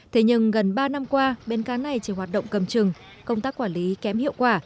thế nhưng gần ba năm qua bến cá này chỉ hoạt động cầm trừng công tác quản lý kém hiệu quả